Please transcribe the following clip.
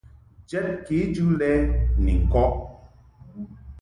Jɛd kejɨ lɛ ni ŋkɔʼ .